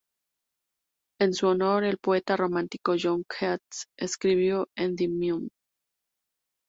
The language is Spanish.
En su honor, el poeta romántico John Keats escribió "Endymion".